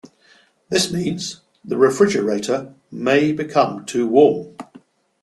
This means the refrigerator may become too warm.